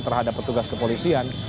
terhadap petugas kepolisian